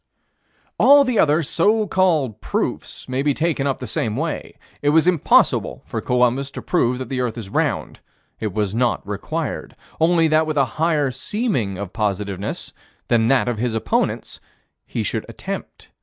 All the other so called proofs may be taken up in the same way. It was impossible for Columbus to prove that the earth is round. It was not required: only that with a higher seeming of positiveness than that of his opponents, he should attempt.